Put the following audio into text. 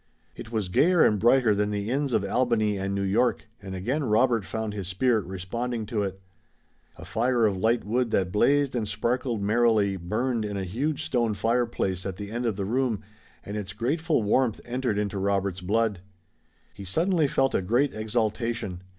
It was gayer and brighter than the inns of Albany and New York, and again Robert found his spirit responding to it. A fire of light wood that blazed and sparkled merrily burned in a huge stone fireplace at the end of the room, and its grateful warmth entered into Robert's blood. He suddenly felt a great exaltation.